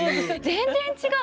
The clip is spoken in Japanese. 全然違う。